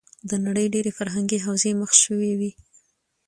د نړۍ ډېری فرهنګې حوزې مخ شوې وې.